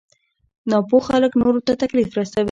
ناپوه خلک نورو ته تکليف رسوي.